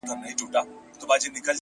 • خو ملاتړ یې ځکه کوم چي ,